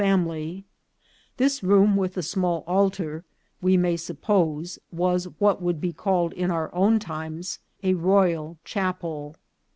family ; this room with the small altar, we may suppose, was what would be called, in our own times, a royal chapel.